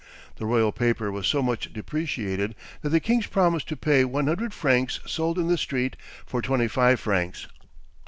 The royal paper was so much depreciated that the king's promise to pay one hundred francs sold in the street for twenty five francs.